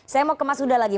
saya mau ke mas huda lagi